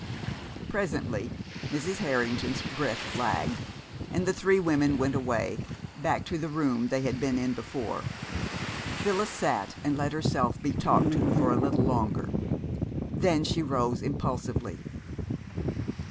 Presently Mrs. Harrington's breath flagged, and the three women went away, back to the room they had been in before. Phyllis sat and let herself be talked to for a little longer. Then she rose impulsively.